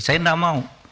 saya enggak mau